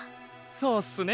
そうっすね。